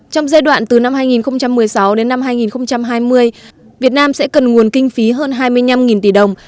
trong giai đoạn từ năm hai nghìn một mươi sáu đến năm hai nghìn hai mươi việt nam sẽ cần nguồn kinh phí hơn hai mươi năm tỷ đồng